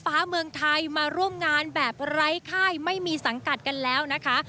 ฟ้าเมืองไทยมาร่วมงานแบบไร้ค่ายไม่มีสังกัดกันแล้วนะคะ